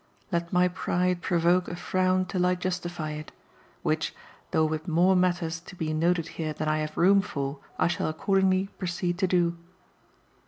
Let my pride provoke a frown till I justify it; which though with more matters to be noted here than I have room for I shall accordingly proceed to do.